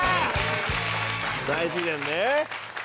大自然ね。